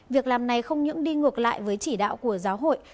việc làm này không những đi ngược lại với chỉ đạo của giáo hội